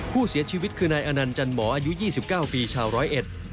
ผู้เสียชีวิตคือนายอนันต์จันหมออายุ๒๙ปีชาวร้อยเอ็ด